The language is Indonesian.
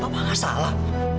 bapak nggak salah